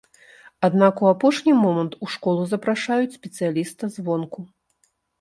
Аднак у апошні момант у школу запрашаюць спецыяліста звонку.